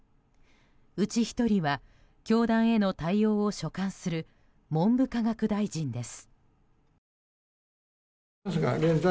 うち１人は、教団への対応を所管する文部科学大臣です。